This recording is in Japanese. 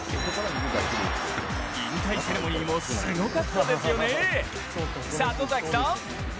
引退セレモニーもすごかったですよね、里崎さん。